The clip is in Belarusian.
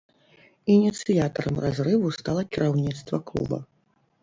Ініцыятарам разрыву стала кіраўніцтва клуба.